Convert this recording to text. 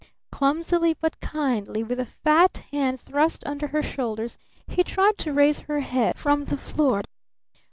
Clumsily but kindly, with a fat hand thrust under her shoulders, he tried to raise her head from the floor.